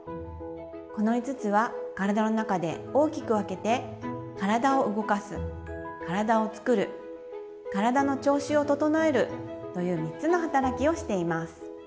この５つは体の中で大きく分けて「体を動かす」「体をつくる」「体の調子を整える」という３つの働きをしています。